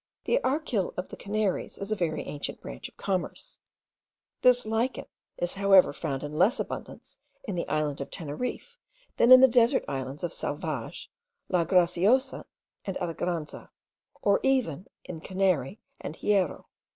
The archil of the Canaries is a very ancient branch of commerce; this lichen is however found in less abundance in the island of Teneriffe than in the desert islands of Salvage, La Graciosa, and Alegranza, or even in Canary and Hierro.